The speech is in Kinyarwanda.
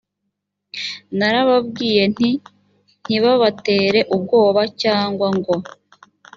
narababwiye nti ntibabatere ubwoba cyangwa ngo